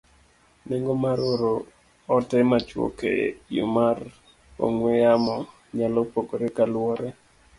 Nengo mar oro ote machuok e yo mar ong'we yamo nyalo pogore kaluwore